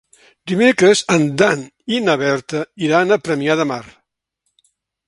Dimecres en Dan i na Berta iran a Premià de Mar.